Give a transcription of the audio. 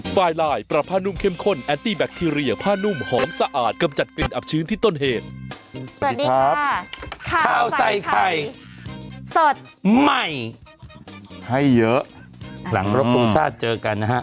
สวัสดีครับข้าวใส่ไข่สดใหม่ให้เยอะหลังรบทรงชาติเจอกันนะฮะ